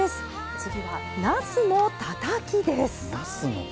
次は、なすのたたきです。